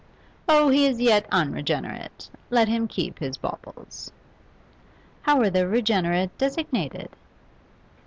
'Oh, he is yet unregenerate; let him keep his baubles.' 'How are the regenerate designated?